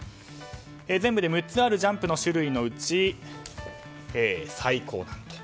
全部で６つあるジャンプの種類のうち最高難度。